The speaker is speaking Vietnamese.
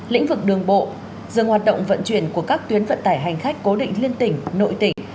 lĩnh vực đường bộ dừng hoạt động vận chuyển của các tuyến vận tải hành khách cố định liên tỉnh nội tỉnh